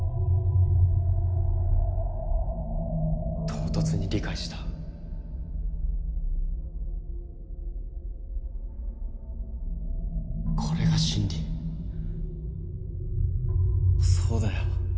唐突に理解したこれが真理そうだよ